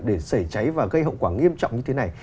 để xảy cháy và gây hậu quả nghiêm trọng như thế này